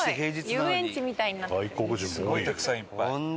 伊達：たくさん、いっぱい。